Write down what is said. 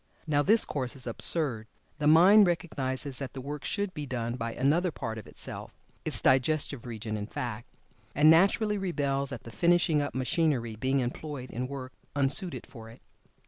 Now this course is absurd. The mind recognizes that the work should be done by another part of itself its digestive region, in fact and naturally rebels at the finishing up machinery being employed in work unsuited for it.